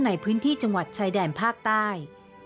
ในพื้นที่จังหวัดชายแดนภาคใต้